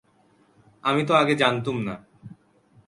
আমি তো আগে জানতুম না।